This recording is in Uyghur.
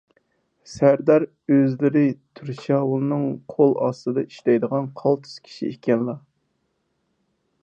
سەردار، ئۆزلىرى تۇرشاۋۇلنىڭ قول ئاستىدا ئىشلەيدىغان قالتىس كىشى ئىكەنلا.